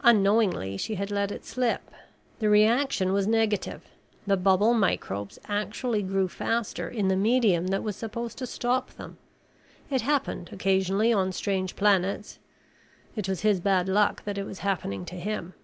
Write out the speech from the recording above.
Unknowingly she had let it slip. The reaction was negative; the bubble microbes actually grew faster in the medium that was supposed to stop them. It happened occasionally on strange planets. It was his bad luck that it was happening to him.